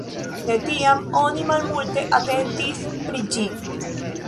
De tiam oni malmulte atentis pri ĝi.